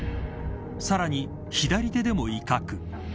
さらに、左手でも威嚇。